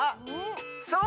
そう。